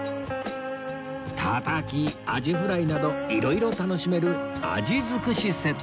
たたきアジフライなど色々楽しめるあじづくしセット